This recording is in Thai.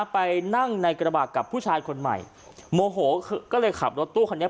ไปนั่งในกระบะกับผู้ชายคนใหม่โมโหก็เลยขับรถตู้คันนี้